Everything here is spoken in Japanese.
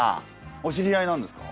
お知り合いなんですか？